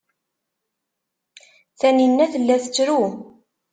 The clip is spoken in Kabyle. Taninna tella tettru.